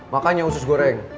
makanya usus goreng